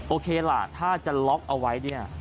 โอเคล่ะถ้าจะล็อกเอาไว้เนี่ย